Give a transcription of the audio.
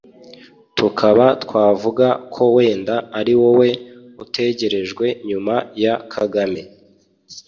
tukaba twavuga ko wenda ari wowe utegerejwe nyuma ya kagame,